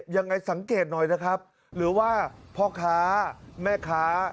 ยังไงสังเกตหน่อยนะครับหรือว่าพ่อค้าแม่ค้า